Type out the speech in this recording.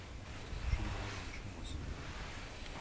Je voudrais avoir une chambre seule.